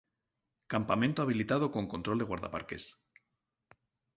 Campamento habilitado con control de Guardaparques.